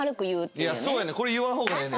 いやそうやねん。